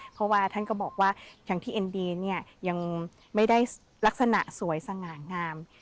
เพราะว่าท่านก็บอกว่าอย่างที่เอ็นบีเนี่ยยังไม่ได้ลักษณะสวยสง่างาม